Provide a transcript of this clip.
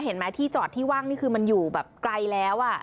เห็นไหมที่จอดที่ว่างนี่คือมันอยู่แบบไกลแล้ว